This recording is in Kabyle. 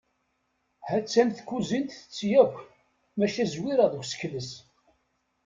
Ha-tt-an tkuzint tetti akk maca zwireɣ deg usekles.